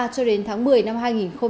cho đến tháng một mươi năm hai nghìn hai mươi